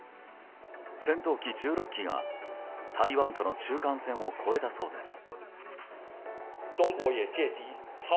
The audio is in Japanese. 戦闘機１６機が台湾との中間線を越えたそうです。